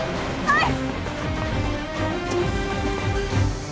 はい！